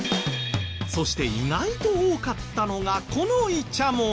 そして意外と多かったのがこのイチャモン。